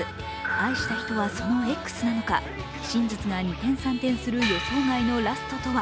愛した人はそのエックスなのか、真実が二転三転する予想外のラストとは。